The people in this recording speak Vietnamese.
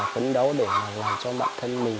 phấn đấu để làm cho bản thân mình